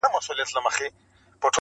زه چي تا وينم لېونی سمه له حاله وځم,